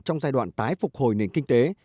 trong giai đoạn tái phục hồi nền kinh tế